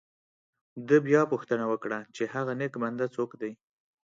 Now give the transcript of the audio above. ده بیا پوښتنه وکړه چې هغه نیک بنده څوک دی.